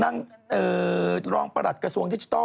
รองประหลัดกระทรวงดิจิทัล